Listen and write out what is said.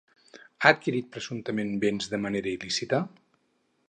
Ha adquirit, presumptament, béns de manera il·lícita?